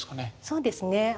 そうですね。